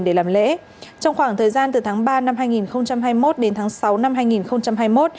để làm lễ trong khoảng thời gian từ tháng ba năm hai nghìn hai mươi một đến tháng sáu năm hai nghìn hai mươi một